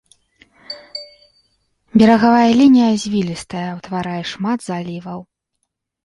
Берагавая лінія звілістая, утварае шмат заліваў.